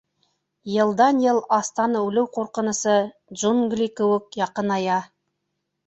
Йылдан-йыл астан үлеү ҡурҡынысы, джунгли кеүек, яҡыная...